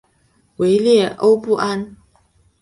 维列欧布安。